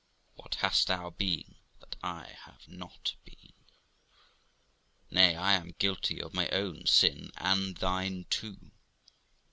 What hast thou been that I have not been? Nay, I am guilty of my own sin and thine too.'